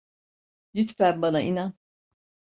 Lütfen bana inan.